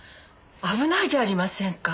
危ないじゃありませんか。